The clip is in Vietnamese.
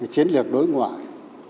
chiến lược đối ngoại